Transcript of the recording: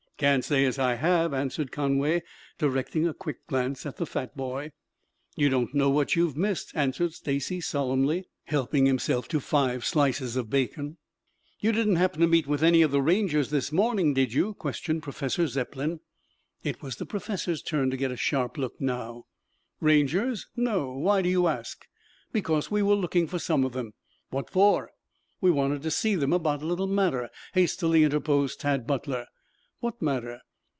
"Can't say as I have," answered Conway, directing a quick glance at the fat boy. "You don't know what you've missed," answered Stacy solemnly, helping himself to five slices of bacon. "You didn't happen to meet with any of the Rangers this morning, did you?" questioned Professor Zepplin. It was the professor's turn to get a sharp look now. "Rangers? No. Why do you ask?" "Because we were looking for some of them." "What for?" "We wanted to see them about a little matter," hastily interposed Tad Butler. "What matter?"